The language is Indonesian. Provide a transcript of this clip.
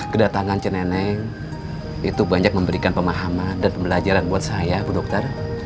kedatangan ceneneng itu banyak memberikan pemahaman dan pelajaran buat saya bu dokter